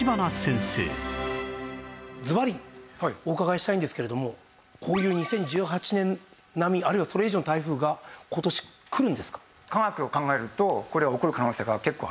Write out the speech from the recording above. ずばりお伺いしたいんですけれどもこういう２０１８年並みあるいはそれ以上の台風が今年来るんですか？